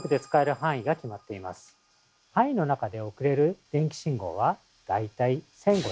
範囲の中で送れる電気信号は大体１，５００万個です。